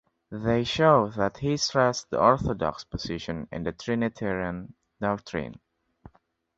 They show that he stressed the orthodox position in Trinitarian doctrine.